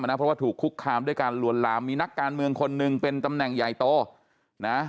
เพราะว่าถูกคุกคามด้วยการลวนลามมีนักการเมืองคนหนึ่งเป็นตำแหน่งใหญ่โตนะ